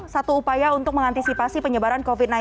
satu upaya untuk mengantisipasi penyebaran covid sembilan belas